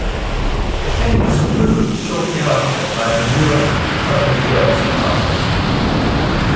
The paint was removed shortly after by the Newark Public Works Department.